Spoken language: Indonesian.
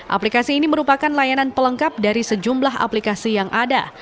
aplikasi ini merupakan layanan pelengkap dari sejumlah aplikasi yang ada